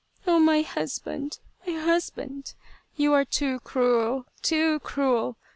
" Oh, my husband, my husband ! You are too cruel too cruel